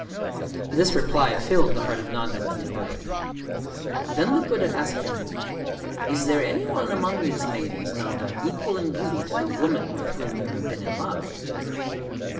This reply filled the heart of Nanda with delight. Then the Buddha asked him: 'Is there any one among these maidens, Nanda, equal in beauty to the woman with whom you have been in love?